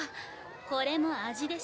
これも味でしょ？